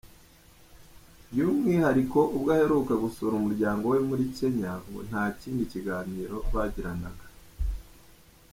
By’umwihariko ubwo aheruka gusura umuryango we muri Kenya, ngo nta kindi kiganiro bagiranaga.